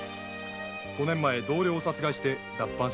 五年前同僚を殺害して脱藩したそうです。